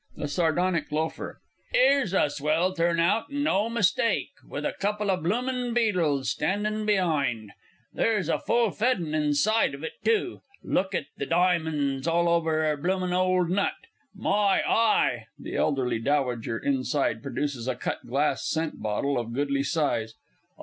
THE SARDONIC L. 'Ere's a swell turn out and no mistake with a couple o' bloomin' beadles standin' be'ind! There's a full fed 'un inside of it too, look at the dimonds all over 'er bloomin' old nut. My eye! (_The elderly dowager inside produces a cut glass scent bottle of goodly size.